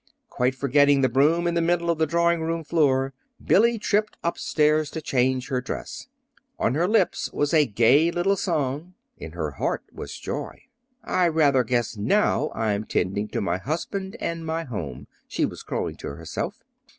Quite forgetting the broom in the middle of the drawing room floor, Billy tripped up stairs to change her dress. On her lips was a gay little song. In her heart was joy. "I rather guess now I'm tending to my husband and my home!" she was crowing to herself.